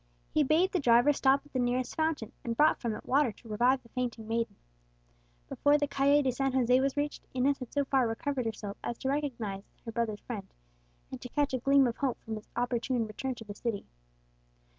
He bade the driver stop at the nearest fountain, and brought from it water to revive the fainting maiden. Before the Calle de San José was reached, Inez had so far recovered herself as to recognize her brother's friend, and to catch a gleam of hope from his opportune return to the city.